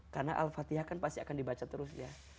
karena al fatihah kan pasti akan dibaca terus ya